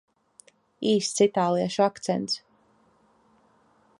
Īsts itāliešu akcents.